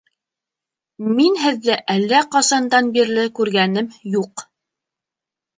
Мин һеҙҙе әллә ҡасандан бирле күргәнем юҡ!